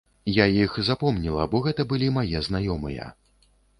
Я іх запомніла, бо гэта былі мае знаёмыя.